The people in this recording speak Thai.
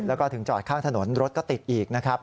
แล้วก็ถึงจอดข้างถนนรถก็ติดอีกนะครับ